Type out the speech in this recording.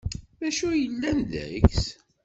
D acu ay yellan deg-s?